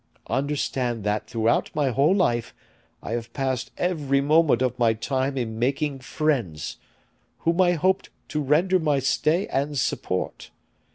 Understand that throughout my whole life I have passed every moment of my time in making friends, whom I hoped to render my stay and support.